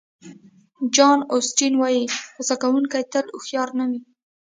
جان اوسټین وایي غوصه کوونکي تل هوښیار نه وي.